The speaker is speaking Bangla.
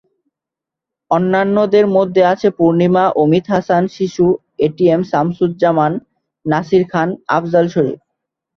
অন্যান্যদের মধ্যে আছেন পূর্ণিমা, অমিত হাসান, শিশু, এটিএম শামসুজ্জামান, নাসির খান, আফজাল শরীফ।